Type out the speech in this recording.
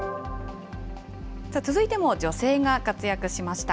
続いても女性が活躍しました。